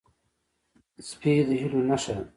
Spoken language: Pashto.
سپي د هیلو نښه ده.